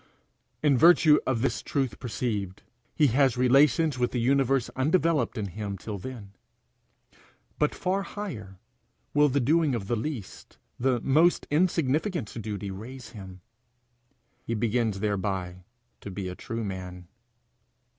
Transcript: In virtue of this truth perceived, he has relations with the universe undeveloped in him till then. But far higher will the doing of the least, the most insignificant duty raise him. He begins thereby to be a true man.